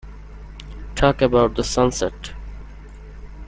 Talk about the sunset.